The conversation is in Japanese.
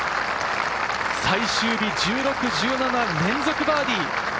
最終日１６、１７連続バーディー。